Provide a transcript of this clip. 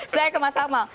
saya ke mas amal